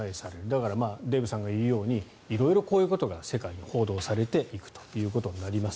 だからデーブさんが言うように色々、こういうことが世界に報道されていくということになります。